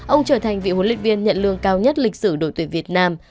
ông trở thành vị huấn luyện viên nhận lương cao nhất lịch sử đội tuyển việt nam